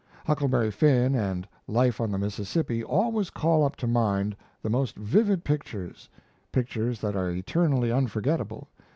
Huckleberry Finn and Life on the Mississippi always call up to my mind the most vivid pictures pictures that are eternally unforgettable.